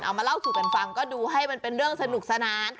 เอามาเล่าสู่กันฟังก็ดูให้มันเป็นเรื่องสนุกสนาน